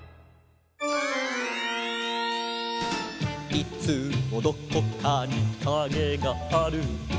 「いつもどこかにカゲがある」